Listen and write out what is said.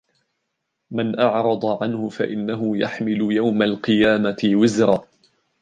من أعرض عنه فإنه يحمل يوم القيامة وزرا